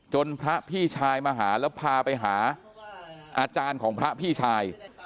พระพี่ชายมาหาแล้วพาไปหาอาจารย์ของพระพี่ชาย